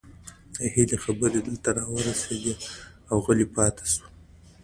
د هيلې خبرې دلته راورسيدې او غلې پاتې شوه